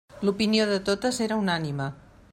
L'opinió de totes era unànime.